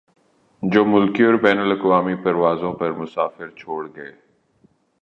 جو ملکی اور بین الاقوامی پروازوں پر مسافر چھوڑ گئے